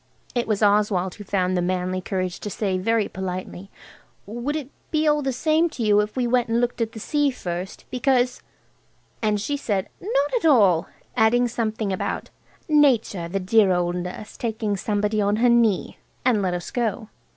It was Oswald who found the manly courage to say very politely– "Would it be all the same to you if we went and looked at the sea first? Because–" And she said, "Not at all," adding something about "Nature, the dear old nurse, taking somebody on her knee," and let us go.